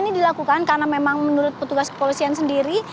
ini dilakukan karena memang menurut petugas kepolisian sendiri